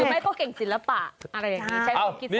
หรือไม่ก็เก่งศิลปะอะไรแบบนี้